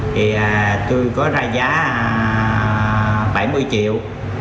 thì tôi có ra giá bảy mươi triệu